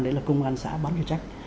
đấy là công an xã bán điều trách